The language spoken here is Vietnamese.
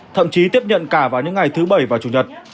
thậm chí tiếp nhận cả vào những ngày thứ bảy và chủ nhật